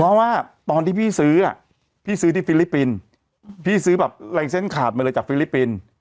เพราะว่าตอนที่พี่ซื้ออ่ะพี่ซื้อที่ฟิลิปปินส์พี่ซื้อแบบลายเซ็นต์ขาดมาเลยจากฟิลิปปินส์